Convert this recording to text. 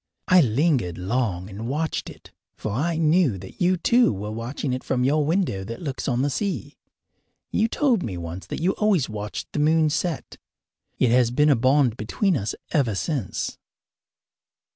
I lingered long and watched it, for I knew that you, too, were watching it from your window that looks on the sea. You told me once that you always watched the moon set. It has been a bond between us ever since.